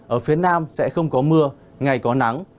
ở phía nam sẽ không có mưa ngày có nắng